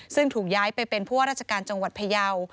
ซึ่งถูกย้ายไปเป็นเพื่อราชการจังหวัดเผยา